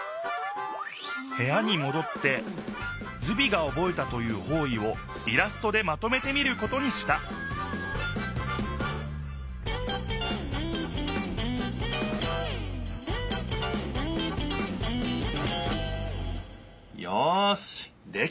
へやにもどってズビがおぼえたという方位をイラストでまとめてみることにしたよしできた！